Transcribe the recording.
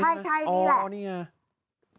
ใช่นี่แหละ